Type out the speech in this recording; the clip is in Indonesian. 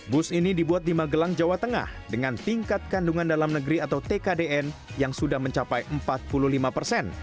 bus ini dibuat di magelang jawa tengah dengan tingkat kandungan dalam negeri atau tkdn yang sudah mencapai empat puluh lima persen